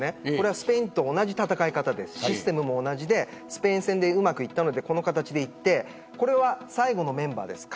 スペインと同じ戦い方でスペイン戦でうまくいったのでこの形でいってこれは最後のメンバーです。